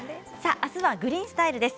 あすは「グリーンスタイル」です。